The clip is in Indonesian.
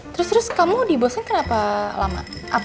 terus terus kamu di bosnya kenapa lama